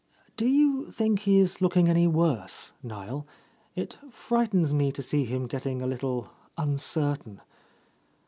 Do you think he is looking any worse, ■Niel? It frightens me to see him getting a little uncertain.